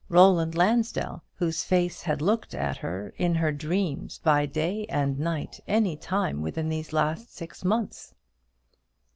Roland Lansdell, whose face had looked at her in her dreams by day and night any time within these last six months!